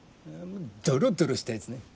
ドロドロしたやつね。